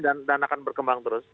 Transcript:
dan akan berkembang terus